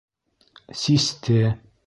Систе.